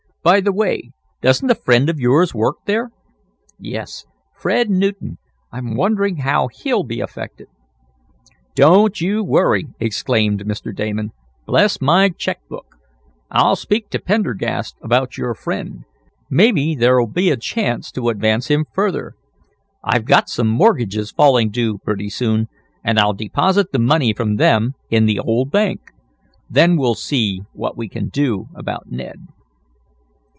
By the way, doesn't a friend of yours work there?" "Yes, Ned Newton. I'm wondering how he'll be affected?" "Don't you worry!" exclaimed Mr. Damon. "Bless my check book! I'll speak to Pendergast about your friend. Maybe there'll be a chance to advance him further. I've got some mortgages falling due pretty soon, and I'll deposit the money from them in the old bank. Then we'll see what we can do about Ned."